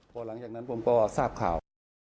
พอหลังจากนั้นผมก็ทราบข่าว